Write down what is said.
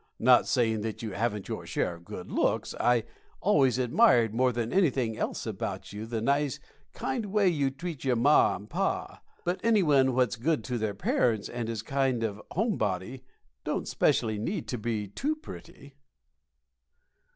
Not sayin' that you haven't your share of good looks, I always admired more than anything else about you the nice, kind way you treat your ma and pa. Any one what's good to their parents and is a kind of home body don't specially need to be too pretty."